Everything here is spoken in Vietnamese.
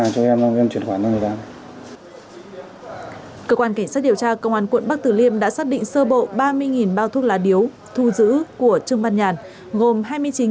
cơ quan cảnh sát điều tra công an quận bắc tử liêm đã xác định sơ bộ ba mươi bao thuốc lá điếu thu giữ của trương văn nhàn